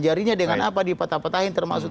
jarinya dengan apa dipetah petahin termasuk